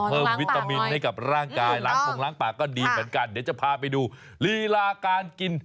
วิตามินให้กับร่างกายล้างโปรงล้างปากก็ดีเหมือนกันเดี๋ยวจะพาไปดูลีลาการกิน